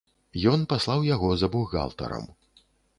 Ён паслаў яго за бухгалтарам.